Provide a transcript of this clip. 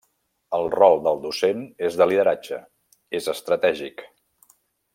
El rol del docent és de lideratge, és estratègic.